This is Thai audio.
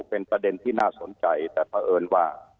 เป็นประเด็นที่น่าสนใจแต่เพราะเอิญว่า